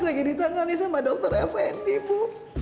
lagi ditangani sama dokter effendi bu